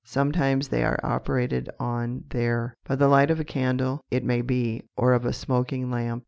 Sometimes they are operated on there, by the light of a candle, it may be, or of a smoking lamp.